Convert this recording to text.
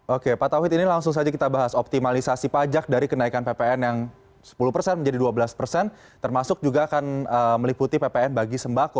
oke pak tauhid ini langsung saja kita bahas optimalisasi pajak dari kenaikan ppn yang sepuluh persen menjadi dua belas persen termasuk juga akan meliputi ppn bagi sembako